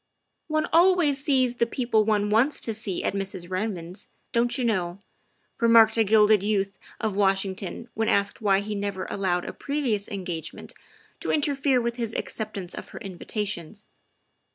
" One always sees the people one wants to see at Mrs. Redmond's, don't you know?" remarked a gilded youth of Washington when asked why he never allowed a previous engagement to interfere with his acceptance of her invitations.